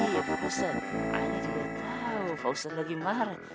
aneh juga tau pak ustadz lagi marah